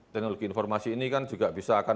teknologi informasi ini kan juga bisa akan